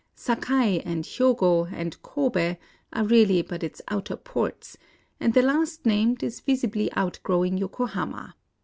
Sakai, and Hyogo, and Kobe are really but its outer ports ; and the last named is visibly outgrowing Yokohama.